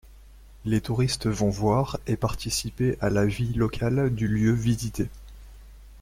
Les touristes vont voir et participer à la vie locale du lieu visité.